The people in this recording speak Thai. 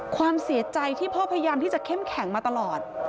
ความเสียใจที่พ่อพยายามที่จะเข้มแข็งมาตลอด